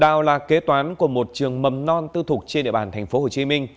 đào là kế toán của một trường mầm non tư thuộc trên địa bàn tp hcm